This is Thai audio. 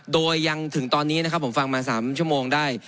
โดยยังถึงตอนนี้นะครับผมฟังมา๓ชั่วโมงได้